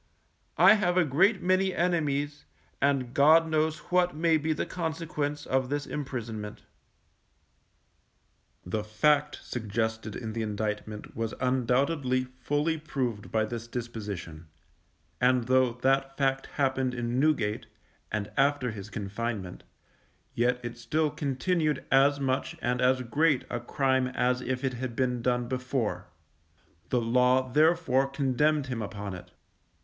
I have a great many enemies, and God knows what may be the consequence of this imprisonment._ The fact suggested in the indictment was undoubtedly fully proved by this disposition, and though that fact happened in Newgate, and after his confinement, yet it still continued as much and as great a crime as if it had been done before; the Law therefore condemned him upon it.